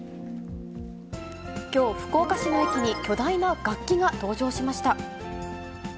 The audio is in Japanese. きょう、福岡市の駅に巨大な楽器が登場しました。